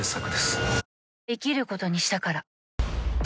生きることにしたから。